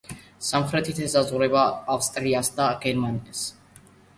სამხრეთით ის ესაზღვრება ავსტრიას და გერმანიას.